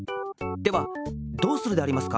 ではどうするでありますか？